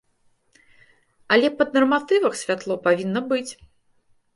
Але па нарматывах святло павінна быць.